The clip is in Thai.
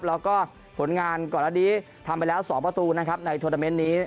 แล้วก็ผลงานก่อนอันนี้ทำไปแล้ว๒ประตูนะครับในโทรนาเมนต์นี้